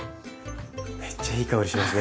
めっちゃいい香りしますね。